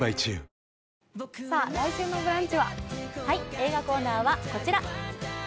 映画コーナーはこちら。